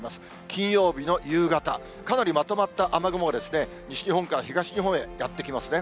金曜日の夕方、かなりまとまった雨雲が西日本から東日本へやって来ますね。